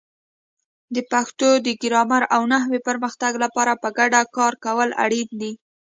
د پښتو د ګرامر او نحوې پرمختګ لپاره په ګډه کار کول اړین دي.